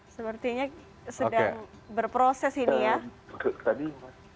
sepertinya sedang berproses ini ya